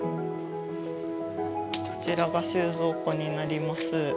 こちらが収蔵庫になります。